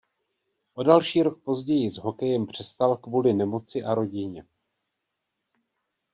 O další rok později s hokejem přestal kvůli nemoci a rodině.